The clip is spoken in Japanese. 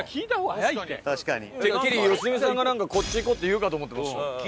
てっきり良純さんがなんか「こっち行こう」って言うかと思ってました。